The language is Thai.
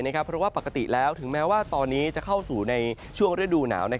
เพราะว่าปกติแล้วถึงแม้ว่าตอนนี้จะเข้าสู่ในช่วงฤดูหนาว